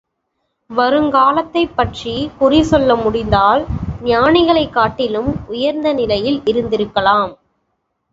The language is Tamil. வருங்காலத்தைப்பற்றிக் குறி சொல்ல முடிந்தால் ஞானிகளைக் காட்டிலும் உயர்ந்த நிலையில் இருந்திருக்கலாம்.